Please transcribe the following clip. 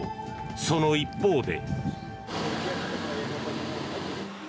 その一方で。